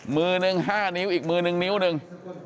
มือหนึ่ง๕นิ้วอีกมือนึงนิ้วหนึ่ง